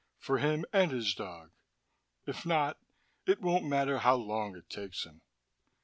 "For him and his dog! If not, it won't matter how long it takes him.